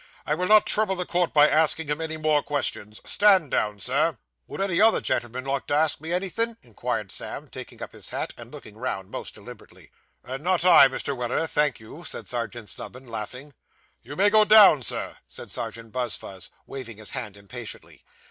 I will not trouble the court by asking him any more questions. Stand down, sir.' 'Would any other gen'l'man like to ask me anythin'?' inquired Sam, taking up his hat, and looking round most deliberately. 'Not I, Mr. Weller, thank you,' said Serjeant Snubbin, laughing. 'You may go down, sir,' said Serjeant Buzfuz, waving his hand impatiently.